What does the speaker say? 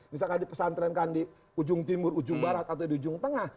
misalkan dipesantrenkan di ujung timur ujung barat atau di ujung tengah